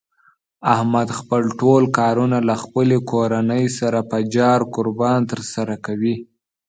احمد خپل ټول کارونه له خپلې کورنۍ سره په جار قربان تر سره کوي.